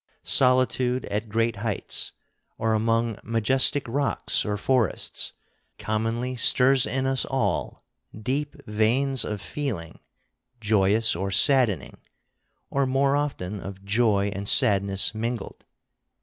Solitude at great heights, or among majestic rocks or forests, commonly stirs in us all deep veins of feeling, joyous or saddening, or more often of joy and sadness mingled.